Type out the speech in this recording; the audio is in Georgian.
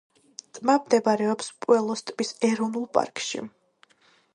ტბა მდებარეობს პუელოს ტბის ეროვნულ პარკში.